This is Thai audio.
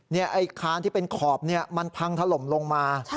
เนี่ยไอ้ค้านที่เป็นขอบเนี่ยมันพังถล่มลงมา